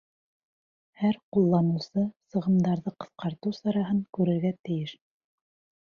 Һәр ҡулланыусы сығымдарҙы ҡыҫҡартыу сараһын күрергә тейеш.